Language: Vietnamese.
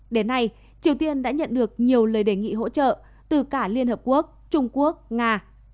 đến nay triều tiên đã nhận được nhiều lời đề nghị hỗ trợ từ cả liên hợp quốc trung quốc nga